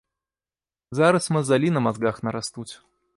Зараз мазалі на мазгах нарастуць.